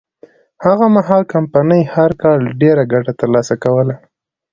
هغه مهال کمپنۍ هر کال ډېره ګټه ترلاسه کوله.